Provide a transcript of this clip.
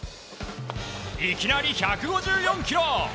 いきなり１５４キロ！